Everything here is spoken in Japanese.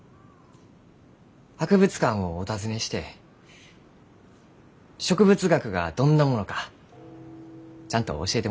博物館をお訪ねして植物学がどんなものかちゃんと教えてもらいました。